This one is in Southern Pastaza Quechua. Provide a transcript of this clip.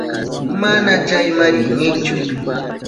Mana chayma rinichu.